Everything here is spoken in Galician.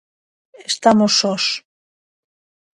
Estamos sós.